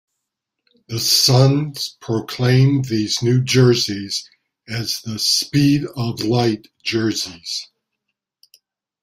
The Suns proclaim these new jerseys as the "Speed of Light" jerseys.